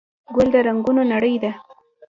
ګل د رنګونو نړۍ ده.